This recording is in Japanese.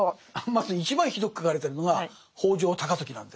まず一番ひどく書かれてるのが北条高時なんです。